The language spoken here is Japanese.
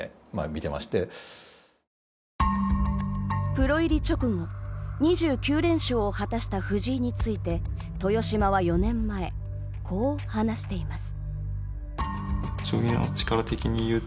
プロ入り直後、２９連勝を果たした藤井について豊島は４年前、こう話しています。